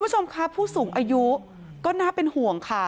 คุณผู้ชมค่ะผู้สูงอายุก็น่าเป็นห่วงค่ะ